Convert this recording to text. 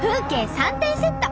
３点セット。